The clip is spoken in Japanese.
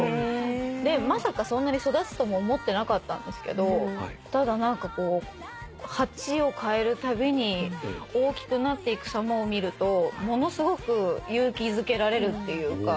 まさかそんなに育つとも思ってなかったんですけどただ何かこう鉢を替えるたびに大きくなっていくさまを見るとものすごく勇気づけられるっていうか。